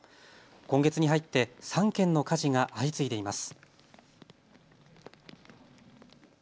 今月に入って３件の火事が相次いでいます。